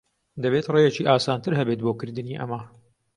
دەبێت ڕێیەکی ئاسانتر ھەبێت بۆ کردنی ئەمە.